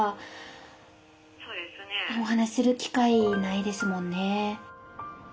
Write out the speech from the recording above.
お話しする機会ないですもんね。